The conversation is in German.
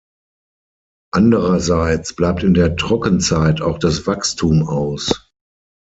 Andererseits bleibt in der Trockenzeit auch das Wachstum aus.